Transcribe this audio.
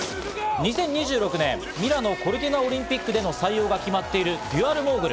２０２６年、ミラノ・コルティナオリンピックでの採用が決まっているデュアルモーグル。